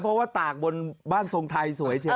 เพราะว่าตากบนบ้านทรงไทยสวยเชียว